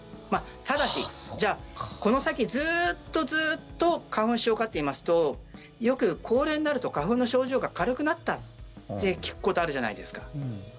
ただし、この先ずっとずっと花粉症かっていいますとよく高齢になると花粉の症状が軽くなったって聞くことあるじゃないですか。